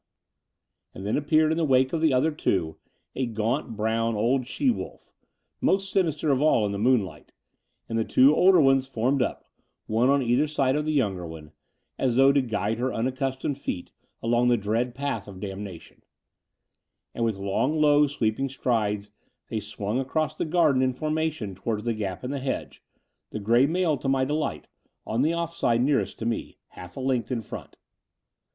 The Dower House 291 And then appeared in the wake of the other two a gaunt brown old she wolf, most sinister of all in the moonlight, and the two older ones formed up, one on either side of the younger one, as though to guide her imaccustomed feet along the dread path of damnation; and with long low sweeping strides they swung across the garden in formation towards the gap in the hedge, the grey male, to my delight, on the offside nearest to me, half a length in front.